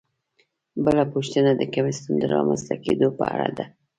بله پوښتنه د کمیسیون د رامنځته کیدو په اړه ده.